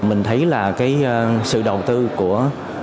mình thấy là cái sự đầu tư của